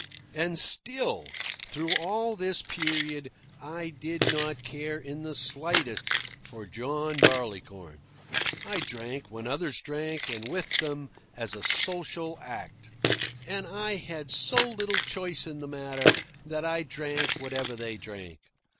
And still, through all this period, I did not care in the slightest for John Barleycorn. I drank when others drank, and with them, as a social act. And I had so little choice in the matter that I drank whatever they drank.